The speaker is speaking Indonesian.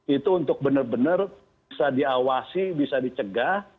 itu untuk benar benar bisa diawasi bisa dicegah